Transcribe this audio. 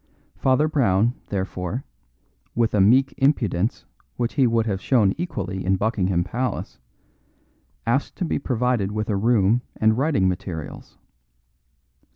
Father Brown, therefore, with a meek impudence which he would have shown equally in Buckingham Palace, asked to be provided with a room and writing materials.